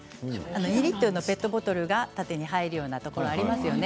２リットルのペットボトルが縦に入るようなところがありますよね。